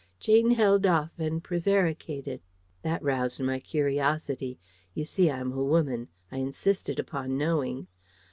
Jane held off and prevaricated. That roused my curiosity: you see, I'm a woman. I insisted upon knowing.